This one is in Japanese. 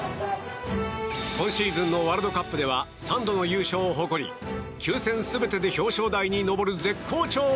今シーズンのワールドカップでは３度の優勝を誇り９戦全てで表彰台に上る絶好調